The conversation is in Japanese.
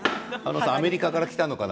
アメリカから来たのかな？